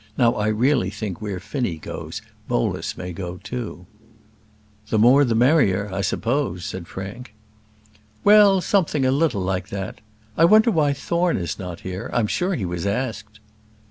Now, I really think where Finnie goes Bolus may go too." "The more the merrier, I suppose," said Frank. "Well, something a little like that. I wonder why Thorne is not here? I'm sure he was asked."